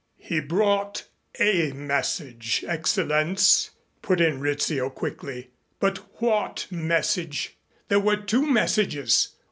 "He brought a message, Excellenz," put in Rizzio quickly. "But what message? There were two messages.